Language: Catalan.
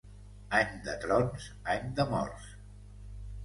Any de trons, any de morts.